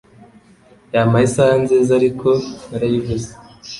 Yampaye isaha nziza, ariko narayibuze.